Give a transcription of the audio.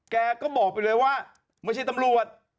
แกก็บอกเลยว่ามันออกไม่ใช่ตำรวจ